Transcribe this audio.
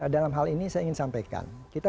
dalam hal ini saya ingin sampaikan kita